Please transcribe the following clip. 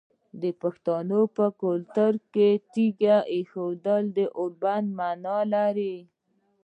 د پښتنو په کلتور کې د تیږې ایښودل د اوربند معنی لري.